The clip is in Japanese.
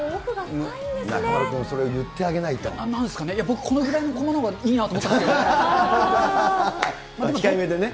中丸君、それ言ってあげないなんすかね、僕、これぐらいのコマのほうがいいなと思ったんですけどね。